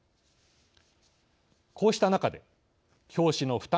こうした中で教師の負担